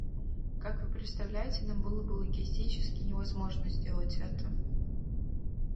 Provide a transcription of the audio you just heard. Как вы представляете, нам было бы логистически невозможно сделать это.